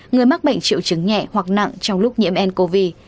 người mắc bệnh triệu chứng nhẹ hoặc nặng trong lúc nhiễm ncov